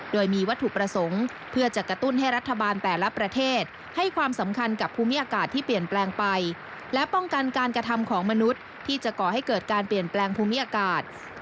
โดยมีวัตถุประสงค์เพื่อจะกระตุ้นให้รัฐบาลแต่ละประเทศให้ความสำคัญกับภูมิอากาศที่เปลี่ยนแปลงไปและป้องกันการกระทำของมนุษย์ที่จะก่อให้เกิดการเปลี่ยนแปลงภูมิอากาศ